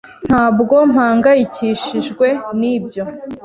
Ntabwo mpangayikishijwe nibyo.